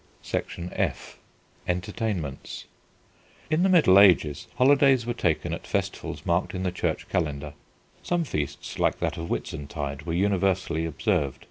[Illustration: ARCHERY.] F. ENTERTAINMENTS In the Middle Ages holidays were taken at festivals marked in the Church calendar. Some feasts, like that of Whitsuntide, were universally observed.